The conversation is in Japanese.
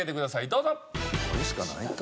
どうぞ。